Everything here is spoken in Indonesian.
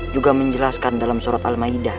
juga menjelaskan dalam surat al ma'idah